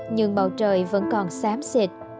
nhưng bầu trời vẫn còn xám xịt